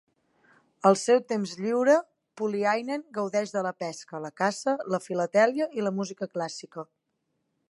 Al seu temps lliure, Pulliainen gaudeix de la pesca, la caça, la filatèlia i la música clàssica.